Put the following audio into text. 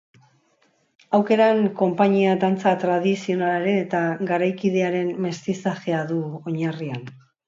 Aukeran konpainia dantza tradizionalaren eta garaikidearen mestizajea du oinarrian.